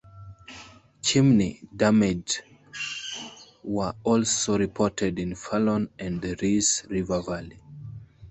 Chimney damage were also reported in Fallon and the Reese River Valley.